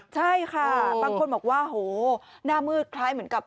ใช่ค่ะบางคนบอกว่าโหหน้ามืดคล้ายเหมือนกับ